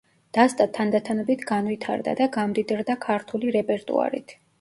დასტა თანდათანობით განვითარდა და გამდიდრდა ქართული რეპერტუარით.